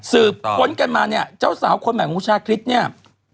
สืบพ้นกันมาเนี่ยเจ้าสาวคนแบบของชาติคริสต์เนี่ย